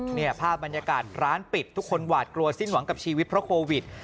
เนี่ยภาพบรรยากาศร้านปิดทุกคนหวาดกลัวสิ้นหวังกับชีวิตเพราะโควิด